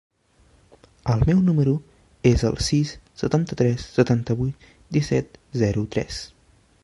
El meu número es el sis, setanta-tres, setanta-vuit, disset, zero, tres.